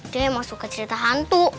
dia emang suka cerita hantu